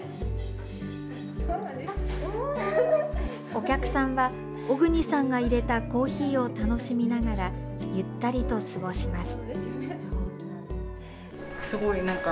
お客さんは、小國さんがいれたコーヒーを楽しみながらゆったりと過ごします。